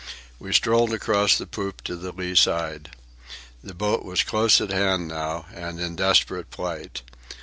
We strolled across the poop to the lee side. The boat was close at hand now, and in desperate plight.